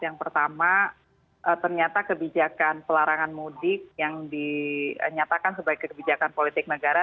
yang pertama ternyata kebijakan pelarangan mudik yang dinyatakan sebagai kebijakan politik negara